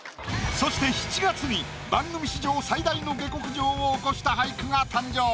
そして７月に番組史上最大の下剋上を起こした俳句が誕生。